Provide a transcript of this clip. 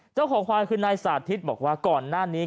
เจ้าของควายคือนายสาธิตบอกว่าก่อนหน้านี้